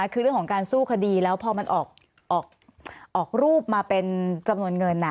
คือเรื่องของการสู้คดีแล้วพอมันออกรูปมาเป็นจำนวนเงิน